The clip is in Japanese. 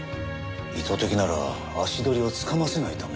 意図的なら足取りをつかませないため。